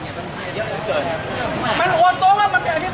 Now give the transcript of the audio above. อยากมาบอกว่าห้ามกรอบรถตรงนี้